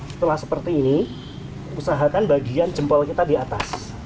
setelah seperti ini usahakan bagian jempol kita di atas